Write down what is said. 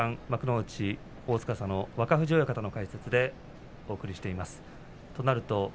若藤親方の解説でお送りしています。